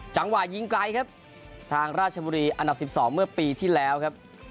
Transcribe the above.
จังหวะยิงไกลครับทางราชบุรีอันดับ๑๒เมื่อปีที่แล้วครับ